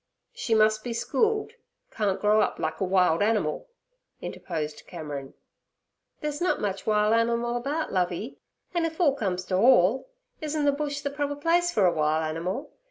'She must be schooled—can't grow up like a wild animal' interposed Cameron. 'They's nut much wile animal about Lovey; an' if all comes ter all, isen' ther bush ther proper place for a wile animal?